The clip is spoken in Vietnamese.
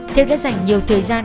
theo đã dành nhiều thời gian